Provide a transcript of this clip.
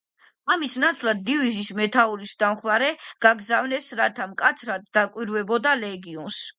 ამის ნაცვლად დივიზიის მეთაურის დამხმარე გაგზავნეს, რათა მკაცრად დაკვირვებოდა ლეგიონს.